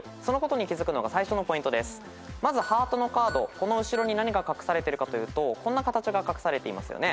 この後ろに何が隠されてるかというとこんな形が隠されていますよね。